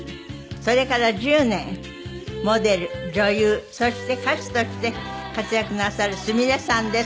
それから１０年モデル女優そして歌手として活躍なさるすみれさんです。